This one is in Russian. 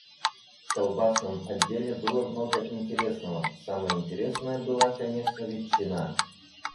В колбасном отделе было много интересного, самое интересное была конечно ветчина.